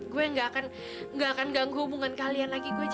gue gak akan ganggu hubungan kalian lagi gue aja